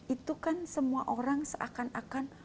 itu kan semua orang seakan akan